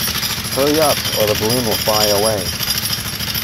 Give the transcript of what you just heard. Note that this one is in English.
Hurry up, or the balloon will fly away.